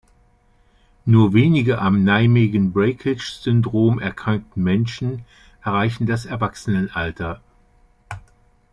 Nur wenige am Nijmegen-Breakage-Syndrom erkrankten Menschen erreichen das Erwachsenenalter.